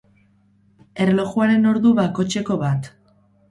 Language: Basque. Erlojuaren ordu bakotxeko bat.